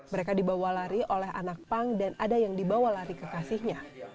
mereka dibawa lari oleh anak pang dan ada yang dibawa lari kekasihnya